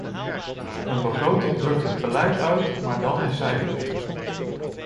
Een begroting drukt het beleid uit maar dan in cijfers.